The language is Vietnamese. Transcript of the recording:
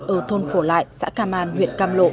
ở thôn phổ lại xã cam an huyện cam lộ